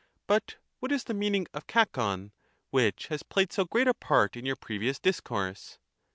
But what is the meaning of kukov, which has played 416 so great a part in your previous discourse?